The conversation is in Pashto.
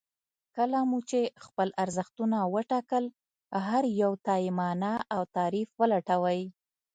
کله مو چې خپل ارزښتونه وټاکل هر يو ته يې مانا او تعريف ولټوئ.